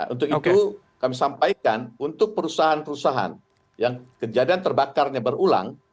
untuk itu kami sampaikan untuk perusahaan perusahaan yang kejadian terbakarnya berulang